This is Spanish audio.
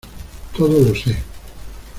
todo lo sé.